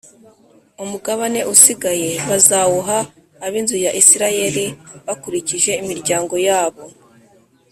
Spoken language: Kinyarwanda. umugabane usigaye bazawuha ab’inzu ya Isirayeli bakurikije imiryango yabo